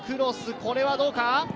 これはどうか？